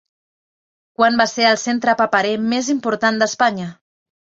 Quan va ser el centre paperer més important d'Espanya?